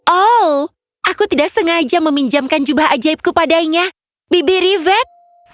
oh aku tidak sengaja meminjamkan jubah ajaibku padanya bibi rivet